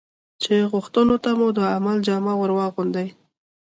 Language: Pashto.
چې غوښتنو ته مو د عمل جامه ور واغوندي.